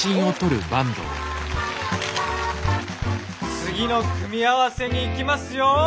次の組み合わせに行きますよ。